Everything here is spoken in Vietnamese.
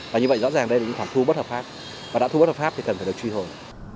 và như vậy rõ ràng đây là những khoản thu bất hợp pháp và đã thu bất hợp pháp thì cần phải được truy hồi